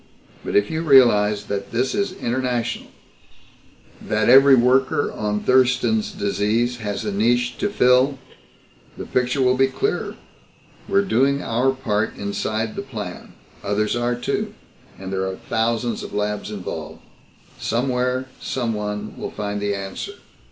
But if you realize that this is international, that every worker on Thurston's Disease has a niche to fill, the picture will be clearer. We're doing our part inside the plan. Others are, too. And there are thousands of labs involved. Somewhere, someone will find the answer.